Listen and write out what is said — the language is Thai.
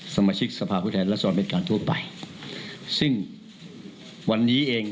สมาชิกสภาพวิทยาลักษณ์และสวรรค์เป็นการทั่วไปซึ่งวันนี้เอง